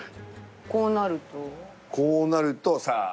こうなると。